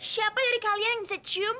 siapa dari kalian yang bisa cium